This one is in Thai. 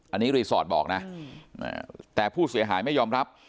อันนี้รีสอร์ทบอกนะแต่ผู้เสียหายไม่ยอมรับ